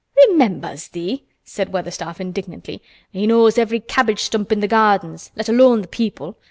"Remembers thee!" said Weatherstaff indignantly. "He knows every cabbage stump in th' gardens, let alone th' people.